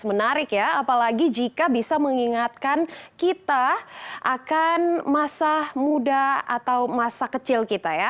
menarik ya apalagi jika bisa mengingatkan kita akan masa muda atau masa kecil kita ya